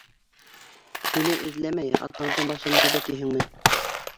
Һине эҙләмәй, атаңдың башын эҙләй тиһеңме?